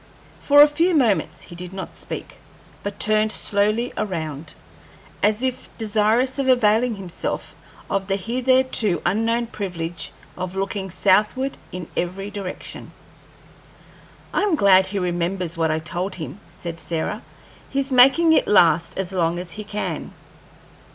For a few moments he did not speak, but turned slowly around, as if desirous of availing himself of the hitherto unknown privilege of looking southward in every direction. "I'm glad he remembers what I told him," said Sarah. "He's making it last as long as he can."